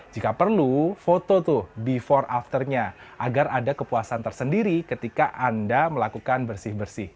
jika perlu foto tuh before afternya agar ada kepuasan tersendiri ketika anda melakukan bersih bersih